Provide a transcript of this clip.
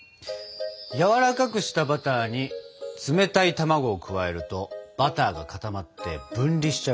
軟らかくしたバターに冷たい卵を加えるとバターが固まって分離しちゃうからね。